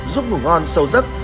giúp ngủ ngon sâu rắc